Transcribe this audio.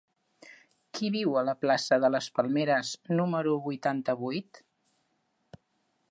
Qui viu a la plaça de les Palmeres número vuitanta-vuit?